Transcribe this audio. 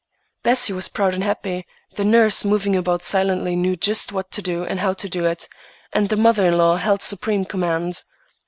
Bessie was proud and happy, the nurse, moving about silently, knew just what to do and how to do it, and the mother in law held supreme command.